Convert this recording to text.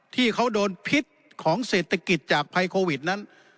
ที่เขาโดนพิษของเศรษฐกิจจากภัยโควิดนั้น